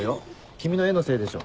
君の絵のせいでしょ。